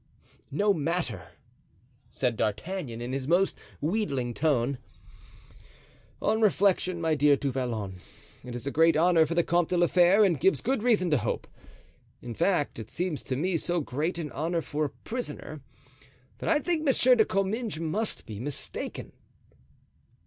"No matter," said D'Artagnan, in his most wheedling tone. "On reflection, my dear Du Vallon, it is a great honor for the Comte de la Fere, and gives good reason to hope. In fact, it seems to me so great an honor for a prisoner that I think Monsieur de Comminges must be mistaken."